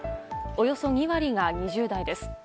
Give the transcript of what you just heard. およそ２割が２０代です。